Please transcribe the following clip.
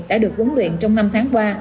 đã được huấn luyện trong năm tháng qua